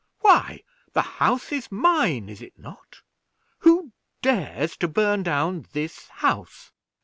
Why, the house is mine, is it not? Who dares to burn down this house?"